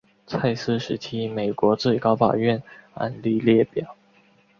蔡斯时期美国最高法院案例列表